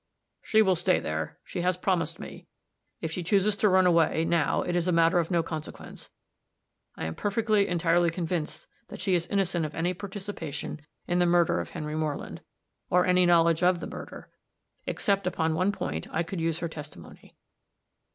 "She will stay there; she has promised me. If she chooses to run away, now, it is a matter of no consequence. I am perfectly, entirely convinced that she is innocent of any participation in the murder of Henry Moreland; or any knowledge of the murder except, upon one point, I could use her testimony.